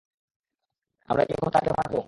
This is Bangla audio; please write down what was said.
আমরা কি এখন তাকে মারব?